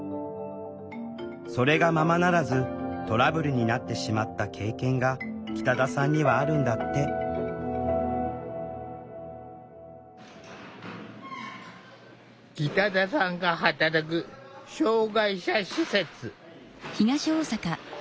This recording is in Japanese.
それがままならずトラブルになってしまった経験が北田さんにはあるんだって北田さんが働く障害者施設。